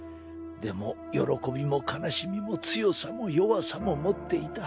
でも喜びも悲しみも強さも弱さも持っていた。